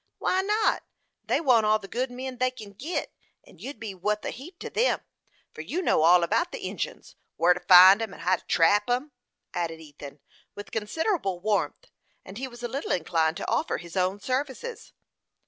"Why not? They want all the good men they kin git, and you'd be wuth a heap to 'em, for you know all about the Injins, whar to find 'em, and how to trap 'em," added Ethan, with considerable warmth; and he was a little inclined to offer his own services.